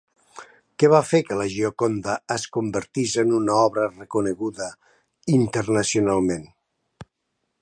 Què va fer que La Gioconda es convertís en una obra reconeguda internacionalment?